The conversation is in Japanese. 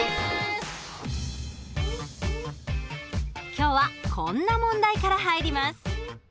今日はこんな問題から入ります。